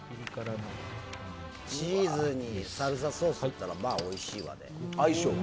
チーズにサルサソースが入ったらまあおいしいわね。